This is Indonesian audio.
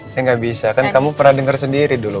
saya gak bisa kan kamu pernah denger sendiri dulu